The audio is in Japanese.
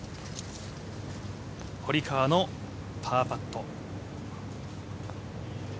堀川のパーパット。